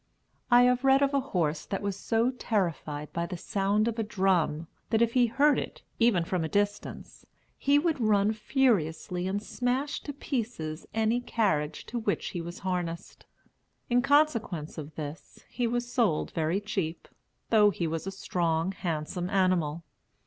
I have read of a horse that was so terrified by the sound of a drum, that if he heard it, even from a distance, he would run furiously and smash to pieces any carriage to which he was harnessed. In consequence of this, he was sold very cheap, though he was a strong, handsome animal.